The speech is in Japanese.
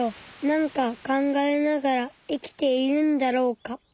なんか考えながら生きているんだろうか。